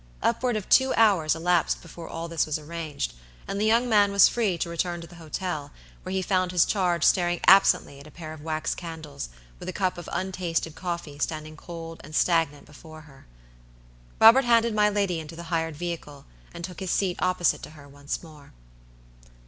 Upward of two hours elapsed before all this was arranged, and the young man was free to return to the hotel, where he found his charge staring absently at a pair of wax candles, with a cup of untasted coffee standing cold and stagnant before her. Robert handed my lady into the hired vehicle, and took his seat opposite to her once more.